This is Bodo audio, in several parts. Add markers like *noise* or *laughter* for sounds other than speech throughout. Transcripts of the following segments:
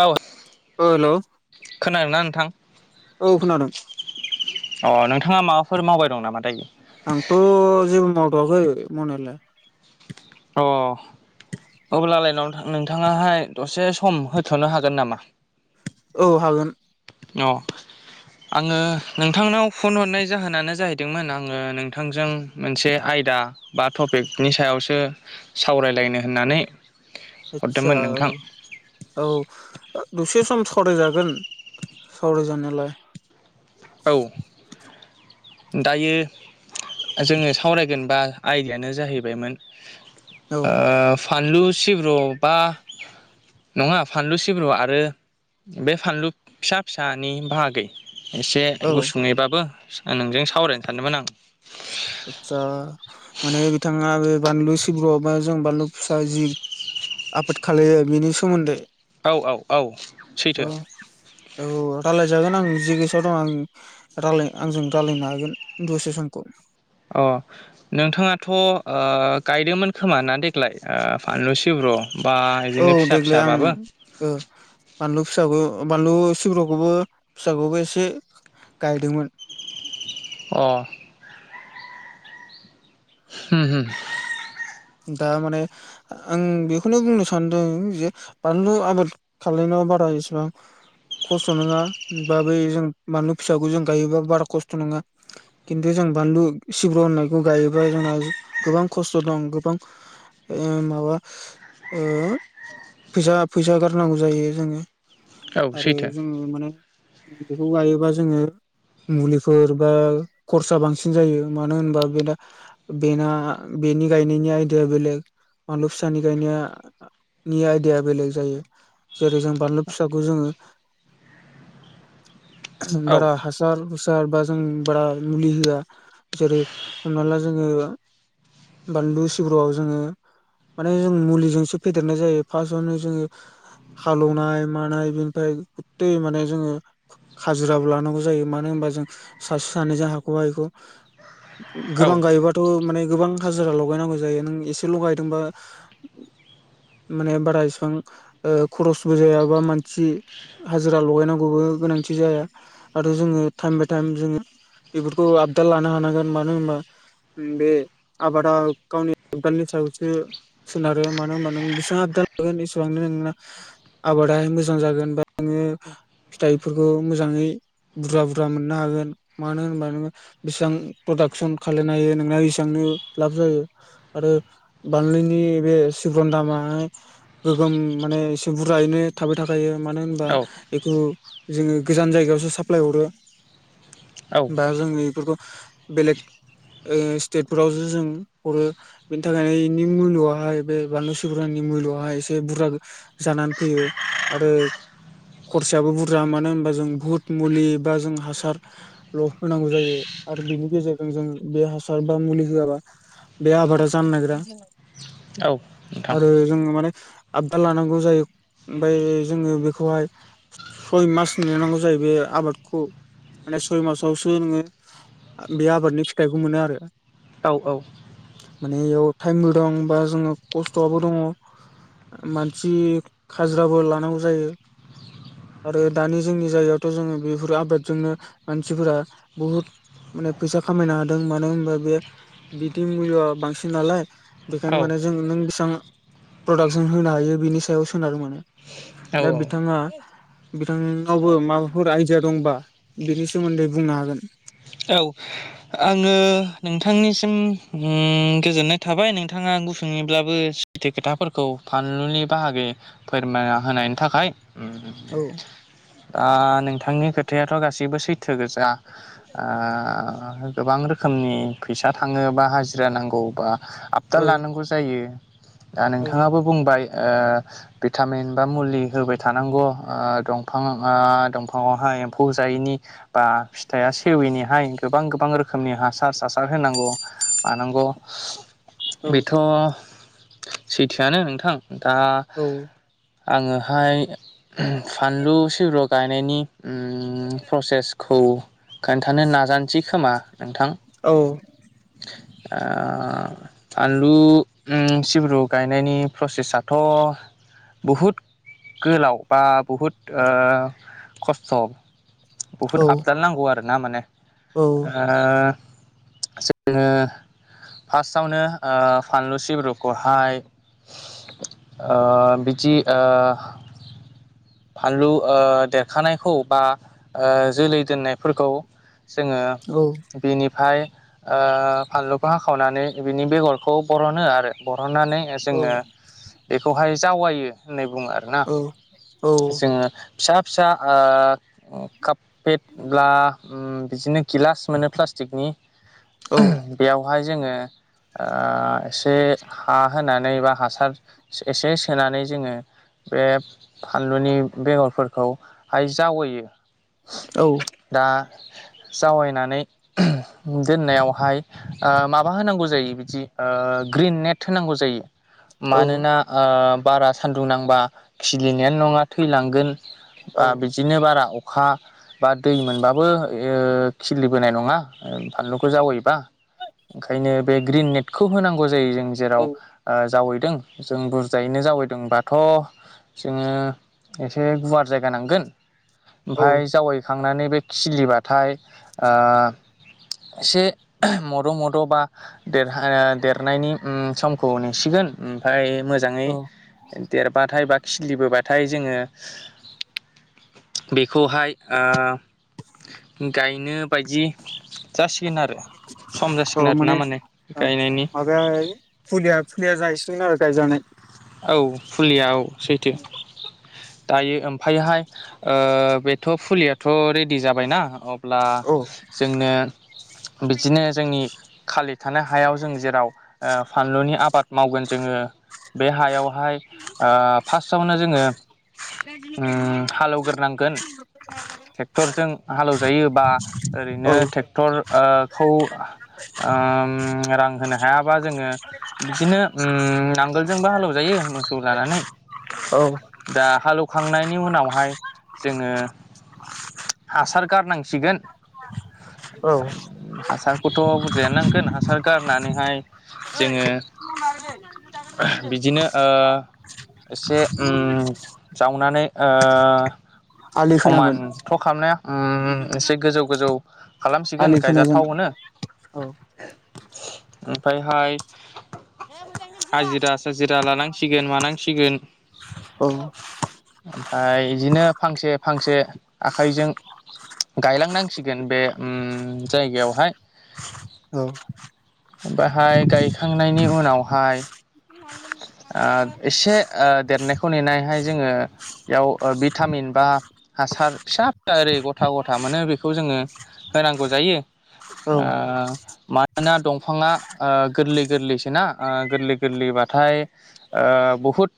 औ औ हेलौ खोनादों ना नोंथां? औ खोनादों। बिथाङा माबाफोर मावबाय दं नामा दायो आंथ' जेबो मावथ'आखै मावनायालाय औ अब्ला लायनाव नोंथाङाहाय दसे सम होथ'नो हागोन नामा औ हागोन न' आङो नोंथांनाव फन हरनाय जाहोनानो जाहैदोंमोन आङो नोंथांजों मोनसे आइ आयदा बा टपिकनि सायावसो सावरायलायनो होननानै आसा हरदोंमोन नोंथां औ औ दसोर सम सावरायजागोन सावराय जानायालाय औ दायो जोङो सावरायगोन बा आयदायानो जाहैबायमोन औ फानलु सिब्रु बा नङा फानलु सिब्रु आरो बे फानलु फिसा फिसानि बाहागै एसे औ गुसुङैबाबो नोंजों सावरायनो सानदोंमोन आं आतसा माने बिथाङा बे बानलु सिब्र' बा जों बानलु फिसा जि आफाद खालामलो बिनि सोमोन्दै औ औ औ सैथो औ औ जागोन आं जि गोसोआव दं आं रायाय आंजों रायजलायनो हागोन दसे समखौ अ नोंथाङाथ'ओ गायदोंमोन खोमा ना देग्लाय फानलु सि ब्र' औ देग्लाय आं बानलु फिसाबो बानलु सिब्र'खौबो फिसाखौबो एसे गायदोंमोन अ *unintelligible* दा माने आं बेखौनो बुंनो सानदों जे बानलु आबाद खालामलनायाव बारा बेसेबां खस्थ' नङा बा बै जों बानलु फिसाखौ जों गायोबा बारा खस्थ' नङा खिन्थु जों जों बानलु सिब्र' होननायखौ गायोबा जोंहा गोबां खस्थ' दं बिफां माबा फैसा फैसा गारनांगौ जायो जोङो औ आरो सैथो जो माने बेखौ गायोबा जोङो मुलिफोर बा खरसा बांसिन जायो मानो होनबा बे बेना बेनि गाय नि आयदिया बेलेग आनलु फिसानि गायनो नि आयदाया बेलेग जायो जेरै जों बानलु फिसाखौ जोङो *inaudible* बारा हासाल सारबा जों बारा मुलि होआ जेरै हमना ला जोङो बानलु सिब्रुआव जोङो माने जों मुलिजोंसो फेदेरनाय जायो फार्स्टआवनो जोङो हालौवनाय मानाय बेनिफ्राय गै माने जोङो खाजिराबो लानांगौ जायो मानो हो बा जों सासे सानैजों हाख' हिखौ औ गोबां गायोबाथ' माने गोबां हाजिरा लगायनांगौ जायो नों एसे लगायदोंबा माने बारा इसिबां ओ खरसबो जायाबा मानसि हाजिरा लगायनांगौबो गोनांथि जाया आरो जोङो टाइम बाय टाइम जोङो बेफोरखौ आबदाल लानो हानांगोन मानो होनबा बे आबादा गावनि आबदालनि सायावसो सोनारो मानो होनबा नों बेसेबां आबदाल लागोन एसेबांनो आबादाय मोजां जागोन बा नोङो फिथाइफोरखौ मोजाङै बुरजा बुरजा मोननो हागोन मानो होनबा नोङो बेसेबां प्रडाक्सन खालायनो हायो नोंना एसबांनो लाब जायो आरो बानलिनि बे सिब्रन दामाहाय गोग्गोम माने एसे बुरजायैनो थाबाय थाखायो मानो होनबा औ बेखौ जोङो गोजान जायगायावसो साप्लाय हरो *inaudible* औ बा जोंनि बेफोरखौ बेलेग ओ स्टेफोराव जो जों हरो बेनि थाखायनो इनि मुलुआहाय बे बानलु सिगुरानि मुलुआहाय एसे बुरजा जानान फैयो आरो खरसायाबो बुरजा मानो होनबा जों भुत मुलि बा जों हासारल' होनांगौ जायो आरो बिनि गेजेरजों जों बे हासार बा मुलि होआबा बे आबादा जान नागिरा औ नोंथां आरो जोङो माने आबदा लानांगौ जायो ओमफाय जोङो बेखौहाय सय मास नेनांगौ जायो बे आबादखौ माने सय मासावसो नोङो बे आबादनि फिथाइखौ मोनो आरो औ औ माने एयाव थाइमबो दं बा जोङो कस्ट'आबो दङ मानसि खाजिराबो लानांगौ जायो आरो दानि जोंनि जायगायावथ' जों बेफोर आबादजोंनो मानसिफोरा बुहुद माने फैसा खामायनो हादों मानो होनबा बे बिदि मुुलिय'आ बांसिन नालाय बेखायनो माने जों नों बेसां प्रडाक्सन होनो हायो बिनि सायाव सोनार मोन दा औ बिथाङा बिथाङावबो माबाफोर आइदिया दंबा बिनि सोमोन्दै बुंनो हागोन औ आङो नोंथां थांनिसिम ओम गोजोननाय थाबाय नोंथाङा गुसुंङैब्लाबो सैथो खोथाफोरखौ फार लुनि बाहागो फोरमायना होनायनि थाखाय ओम औ दा नोंथांनि खोथायाथ' गासिबो सैथो गोजा आ गोबां रोखोमनि फैसा थाङो बा हाजिरा नांगौ बा आबदाल औ लानांगौ जायो दा औ नोंथाङाबो बुंबाय ओ बिथामिन बा मुलि होबाय थानांगौ आ दंफां आ दंफाङावहा एम्फौ जायैनि बा फिथाया से फेवैनि हाय गोबां गोबां रोखोमनि हासार सासार होनांग' मानांग' औ बेथ' सैथोआनो नोंथां दा आङोहाय ओम फानलु सिब्र गायनायनि ओम फ्रसेस खौ खोन्थानो नाजानसै खोमा नोंथां? आ फानलु उम सिब्रु गायनायनि फ्रसेसाथ' बहुद गोलाव बा बहुद ओ खस्थ' बुहुद आबदाल नांगौ आरो ना माने ओ जोङो फासआवनो फानलु सिब्रुखौहाय ओ बिदि ओ फानलु ओ देरखानायखौ बा ओ जोलै दोननाय फोरकौ जोङो बेनिफाय ओ फानलुखौ हाखावनानै बिनि बेगरखौ बरनो आरो बर बरनानै जोङो बेखौहाय जावायो नै ङो आरोना जोङो फिसा फिसा आ काप पे ब्ला ओम बिदिनो गिलास मोनो फ्लास्थिकनि उम बेयाव हाय जोङो आ एसे हा होनानै बा हासार एसे सोनानै जोङो बे फानलुनि बेगरफोरखौहाय जावैयो दा जावायनानै दोननायावहाय ओ माबा होनांगौ जायो बिदि ओ ओ ग्रिन नेट होनांगौ जायो मानोना ओ बारा सान्दुं नांबा खिलिनायानो नङा थैलांगोन बा औ बिदिनो बारा अखा बा दै मोनबाबो इयो खिलिबोनाय नङा फानलुखौ जावैबा ओंखायनो बे ग्रिन नेटखौ होनांगौ जायो जों जेराव जावै जों बुरजायैनो जावैदोंबाथ' जोङो एसे गुवार जायगा नांगोन औ ओमफाय जावै थांनानै बे खिलिबाथाय एसे मद' मद' बा देरहाया देरनायनि उम समखौ नेसिगोन ओमफफय मोजाङै औ देरबाथाय बा खिलिबोबाथाय जोङो बेखौहाय ओ गायनो बायदि जासिगोन आरो सम औ जासिगोन आरो ना माने ओ गायनायनि माबाया फुलिया फुलिया जायैसि गोन आरो गायजानाय औ फुलियाव सैथो दायो ओमफायहाय ओ बेथ' फुलियाथ' रेडि जाबायना अब्ला औ जोंनो बिदिनो जोंनि खालि थानो हायाव जों जेराव ओ फानलुनि आबाद मावगोन जोङो बे हायावहाय फार्स्टआवनो जोङो ओम हालेवग्रोनांगोन ट्रेक्टरजों हालौ जायोबा औ ओरैनो ट्रेक्टर ओ खौ ओम रां होनो हायाबा जोङो बिदिनो ओम नांगोल जोंबो हालौ जायो मोसौ लानानै औ दा हालौ खांनायनि उनावहाय जोङो हासार गारनांसिगोन औ हासारखौथ' बुरजायानो नांगोन हासार गारनानैहाय जोङो बिदिनो ओ एसे ओम जावनानै म *unintelligible* आलि खोनांगोन समानथ' खालामनाया ओम एसे गोजौ गोजौ खालामसिगोन आलि खोनायजों गायजाथाव होनो औ ओमफायहाय हाजिरा साजिरा लानांसिगोन मानांसिगोन औ ओमफाय बिदिनो फांसे फांसे आखाइजों गायलांनांसिगोन बे ओम जायगायावहाय औ बाहाय गायखांनायनि उनावहाय ओ एसे ओ देरनायखौ नेनायहाय जोङो बेयाव भिटामिन बा हासार फिसा फिसा ओरै गथा गथा मोनो बेखौ जोङो होनांगौ जायो औ ओ मानोना दंफाङा ओ गोरलै गोरलैसो ना गोरलै गोरलै बाथ' नाथाय बहुद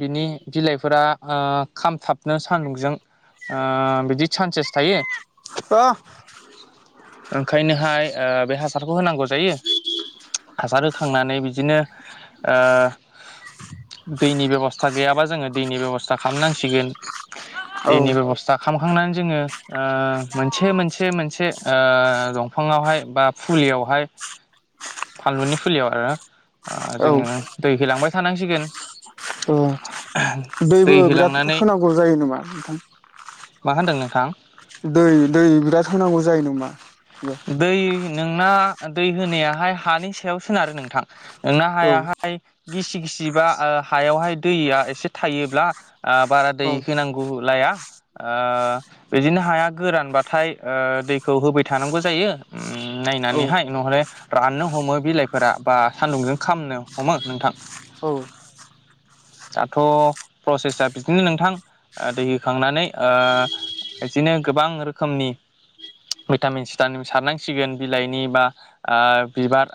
बिनि बिलाइफोरा ओ खामथाबनो सान्दुंजों ओ बिदि सान्सेस थायो ओंखायनोहाय ओ बे हासारखौ होनांगौ जायो हासार होखांनानै बिदिनो ओ दैनि बेब'स्था गैयाबा जोङो दैनि बेब'स्था खालामनांसिगोन औ दैनि बेबसथा खाम खांनानै जोङो मोनसे मोनसे मोनसे ओ दंफाङावहाय बा फुलियाव बेहाय फानलुनि फुलियाव ओ औ जोङो दै होलांबाय थानांसिगोन ओम दै दैबो बिराद होलांनानै होनांगौ जायो नामा नोंथां? मा होनदों नोंथां? दै दै बिराद होनांगौ जायो नामा? दै नोंना दै होनायाहाय हानि सायाव सोनारो नोंथां। नोंना औ हायाहाय गिसि गिसिबा हायावहाय दैया एसे थायोब्ला बारा दै औ होनां लाया आ, बिदिनो हाया गोरानबाथाय दैखौ होबाय थानांगौ जायो। ओम, औ नायनानैहाय *unintelligible* राननो हमो बिलाइफोरा बा सान्दुंजों खामनो हमो नोंथां। औ, दाथ' प्रसेसआ बिदिनो नोंथां दै होखांनानै ओ, बिदिनो गोबां रोखोमनि भिटामिन्स भिटामिन सारनांसिगोन बिलाइनि बा आ, बिबार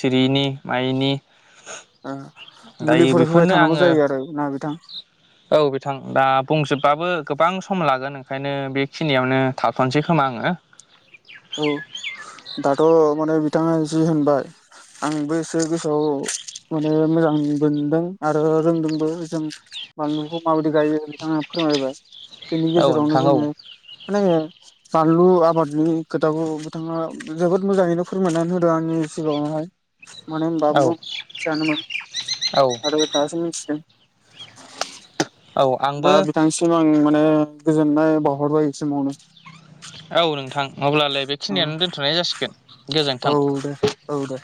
सिरियिनि मायिनि आ मुलिफोर होबाय थानांगौ आङो जायो आरो ना बिथां? औ बिथां। दा बुंजोबबाबो गोबां सम लागोन ओंखायनो बेखिनियावनो थाथ'नोसै खोमा आङो। *inaudible* औ दाथ' माने बिथाङा जि होनबाय आंबो एसे गोसोआव माने मोजां मोनदों आरो रोंदोंबो जों बानलुखौ माबायदि गायो बिथांमोना फोरमायबाय बेनि औ गेजेरावनो नोंथां औ जोङो माने बानलु आबादनि खोथाखौ बिथाङा जोबोद मोजाङैनो फोरमायनानै होदों आंनि सिगाङावहाय मानो औ होनबा औ *unintelligible* आरो दासो मिथिदों औ दा आंबो बिथांसिम आं माने गोजोननाय बावहरबाय समावनो। औ नोंथां, अब्लालाय बेखिनियानो दोन्थ'नाय जासिगोन गोजोन्थों। औ दे औ दे